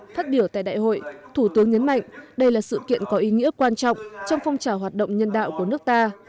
phát biểu tại đại hội thủ tướng nhấn mạnh đây là sự kiện có ý nghĩa quan trọng trong phong trào hoạt động nhân đạo của nước ta